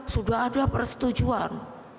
sudah ada persetujuan